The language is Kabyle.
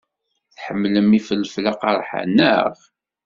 Tḥemmlemt ifelfel aqerḥan, naɣ?